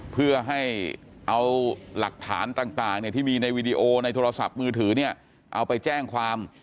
เพื่อให้เอาหลักฐานต่างที่มีในวีดีโอในโทรศัพท์มือถือเนี่ยเอาไปแจ้งความ